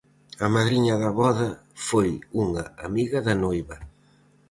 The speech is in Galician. A madriña da voda foi unha amiga da noiva.